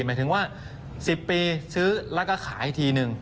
หมายถึงว่า๑๐ปีซื้อแล้วก็ขายทีนึง